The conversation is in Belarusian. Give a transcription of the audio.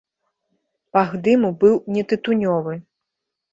Пах дыму быў не тытунёвы.